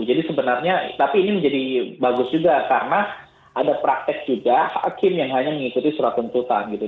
jadi sebenarnya tapi ini menjadi bagus juga karena ada praktek juga hakim yang hanya mengikuti surat pencutan gitu